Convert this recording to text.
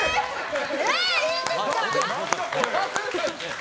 いいんですか！